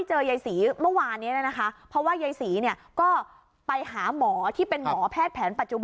เกี่ยวไม่ได้โดนปอบ